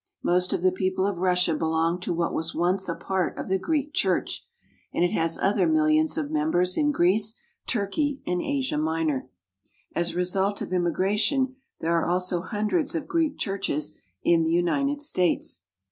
Most of the people of Russia belong to what was once a part of the Greek Church, and it has other mil lions of members in Greece, Turkey, and Asia Minor. As a result of immigration, there are also hundreds of Greek churches in the United States.